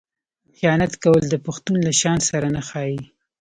خیانت کول د پښتون له شان سره نه ښايي.